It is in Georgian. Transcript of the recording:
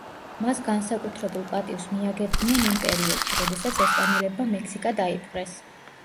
მას განსაკუთრებულ პატივს მიაგებდნენ იმ პერიოდში, როდესაც ესპანელებმა მექსიკა დაიპყრეს.